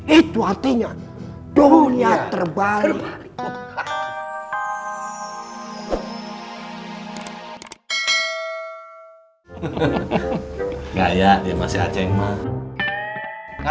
itu artinya dunia terbalik